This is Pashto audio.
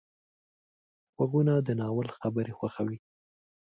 غوږونه د ناول خبرې خوښوي